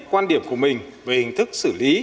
quan điểm của mình về hình thức xử lý